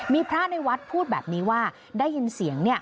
มีพระในวัดพูดแบบนี้ว่าได้ยินเสียง